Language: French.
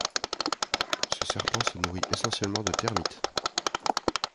Ce serpent se nourrit essentiellement de termites.